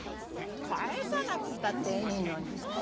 返さなくったってええのに。なぁ？